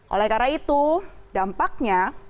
oleh karena itu dampaknya